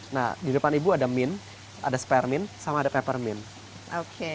nah di depan ibu ada mint ada spermint sama ada peppermint